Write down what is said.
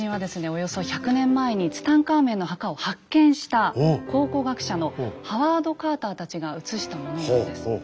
およそ１００年前にツタンカーメンの墓を発見した考古学者のハワード・カーターたちが写したものなんです。